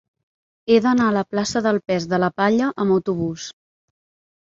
He d'anar a la plaça del Pes de la Palla amb autobús.